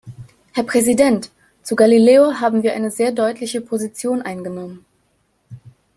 Herr Präsident! Zu Galileo haben wir eine sehr deutliche Position eingenommen.